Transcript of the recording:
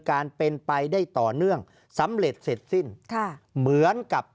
การเป็นไปได้ต่อเนื่องสำเร็จเสร็จสิ้นค่ะเหมือนกับ